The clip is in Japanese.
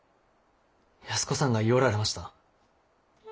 安子さんが言ようられました。